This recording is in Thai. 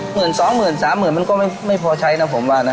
สองหมื่นสามหมื่นมันก็ไม่พอใช้นะผมว่านะ